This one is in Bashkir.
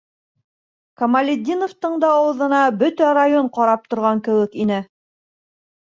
Камалетдиновтың да ауыҙына бөтә район ҡарап торған кеүек ине.